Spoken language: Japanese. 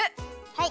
はい。